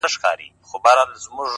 هوډ د ستونزو تر منځ لار جوړوي.!